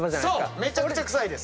めちゃくちゃくさいです。